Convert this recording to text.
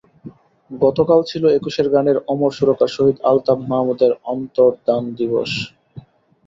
গতকাল ছিল একুশের গানের অমর সুরকার শহীদ আলতাফ মাহমুদের অন্তর্ধান দিবস।